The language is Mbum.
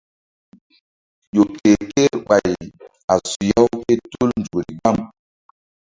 Mo̧ko ƴo ke kerɓay a suya-u ké tul nzukri gbam.